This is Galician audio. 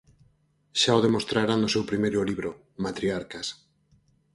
Xa o demostrara no seu primeiro libro, Matriarcas.